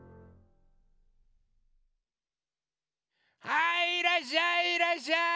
はいいらっしゃいいらっしゃい！